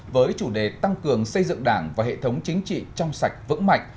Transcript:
với chủ đề tăng cường xây dựng đảng và hệ thống chính trị trong sạch vững mạnh